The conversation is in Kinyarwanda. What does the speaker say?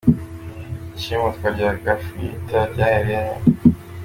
Ishimutwa rya Gafirita ryahereye he ?